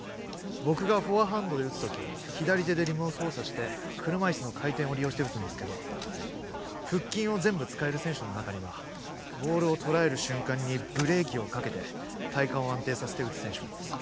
僕がフォアハンドで打つ時左手でリムを操作して車いすの回転を利用して打つんですけど腹筋を全部使える選手の中にはボールを捉える瞬間にブレーキをかけて体幹を安定させて打つ選手もいます